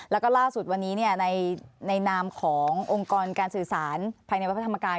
แล้วก็ล่าสุดวันนี้ในนามขององค์กรการสื่อสารภายในวัดพระธรรมกาย